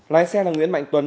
lái xe là nguyễn mạnh tuấn